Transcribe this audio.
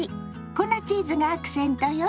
粉チーズがアクセントよ。